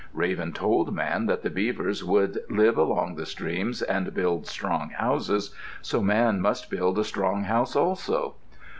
Raven told Man that the beavers would live along the streams and build strong houses, so Man must build a strong house also.